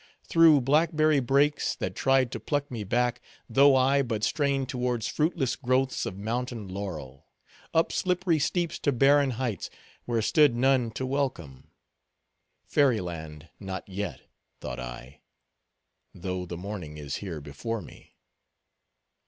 Through blackberry brakes that tried to pluck me back, though I but strained towards fruitless growths of mountain laurel; up slippery steeps to barren heights, where stood none to welcome. Fairy land not yet, thought I, though the morning is here before me.